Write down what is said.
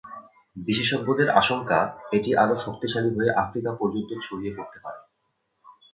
বিশেষজ্ঞদের আশঙ্কা, এটি আরও শক্তিশালী হয়ে আফ্রিকা পর্যন্ত ছড়িয়ে পড়তে পারে।